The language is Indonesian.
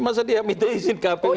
masa dia minta izin kpu